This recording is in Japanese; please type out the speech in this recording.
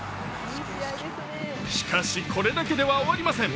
しかしこれだけでは終わりません。